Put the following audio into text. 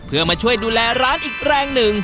เพื่อมาช่วยดูแลร้านอีกแรงหนึ่ง